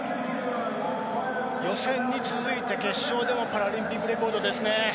予選に続いて決勝でもパラリンピックレコードですね。